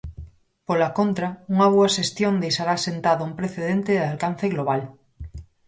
Pola contra, unha boa xestión deixará sentado un precedente de alcance global.